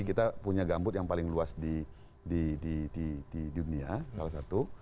kita punya gambut yang paling luas di dunia salah satu